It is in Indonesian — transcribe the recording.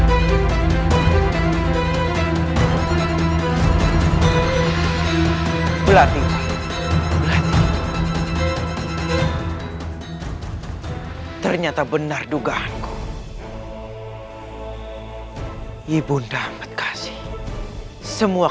karena keluarga kita di sini benar benar tidak bisa